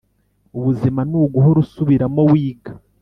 ubuzima nuguhora usubiramo wiga